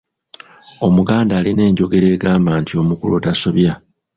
Omuganda alina enjogera egamba nti, “Omukulu tasobya”.